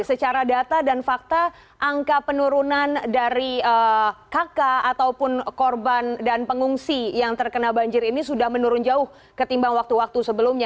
secara data dan fakta angka penurunan dari kakak ataupun korban dan pengungsi yang terkena banjir ini sudah menurun jauh ketimbang waktu waktu sebelumnya